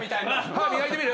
歯磨いてみる？